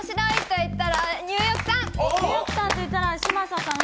ニューヨークさんと言ったら嶋佐さん。